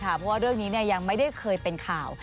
เพราะว่าเรื่องนี้ยังไม่ได้เคยเป็นข่าว